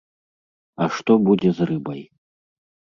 А што будзе з рыбай?